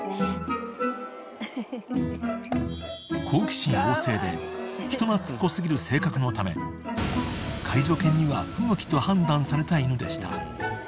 ［好奇心旺盛で人懐っこ過ぎる性格のため介助犬には不向きと判断された犬でした］